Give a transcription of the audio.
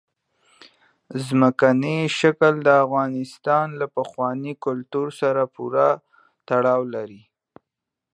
ځمکنی شکل د افغانستان له پخواني کلتور سره پوره تړاو لري.